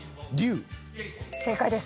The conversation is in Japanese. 正解です。